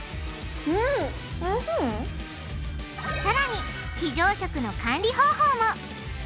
さらに非常食の管理方法も！